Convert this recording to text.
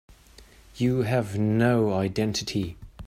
You have no identity.